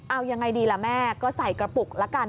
เอายังไงดีล่ะแม่ก็ใส่กระปุกละกัน